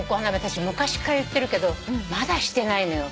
私昔から言ってるけどまだしてないのよ。